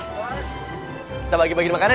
kita bagi bagi makanan